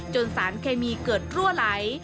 สารเคมีเกิดรั่วไหล